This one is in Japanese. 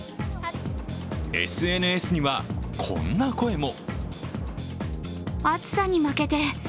ＳＮＳには、こんな声も。